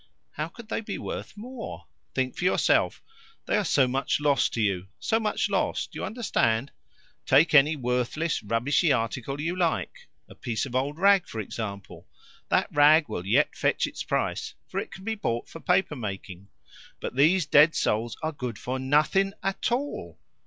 HOW could they be worth more? Think for yourself. They are so much loss to you so much loss, do you understand? Take any worthless, rubbishy article you like a piece of old rag, for example. That rag will yet fetch its price, for it can be bought for paper making. But these dead souls are good for NOTHING AT ALL.